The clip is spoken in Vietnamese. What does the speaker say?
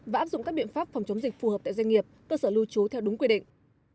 và áp dụng các biện pháp phòng chống dịch phù hợp tại doanh nghiệp cơ sở lưu trú theo đúng quy định